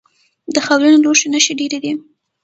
د خاورینو لوښو نښې ډیرې دي